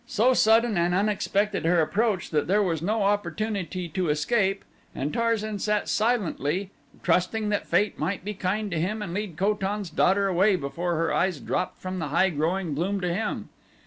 So sudden and unexpected her approach that there was no opportunity to escape and Tarzan sat silently trusting that fate might be kind to him and lead Ko tan's daughter away before her eyes dropped from the high growing bloom to him.